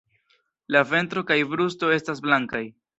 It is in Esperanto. La ventro kaj brusto estas blankaj.